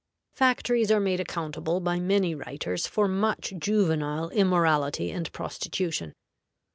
FACTORIES are made accountable by many writers for much juvenile immorality and prostitution.